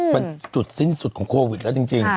มันจุดสิ้นสุดของโควิดแล้วจริง